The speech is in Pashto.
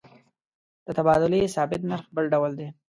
د تبادلې ثابت نرخ بل ډول دی.